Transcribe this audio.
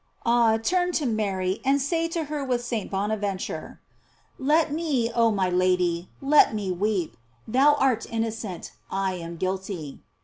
Ah, turn to Mary, and say to her with St. Bonaventure : Let me, oh my Lady, let me weep ; thou art innocent, I am guilty.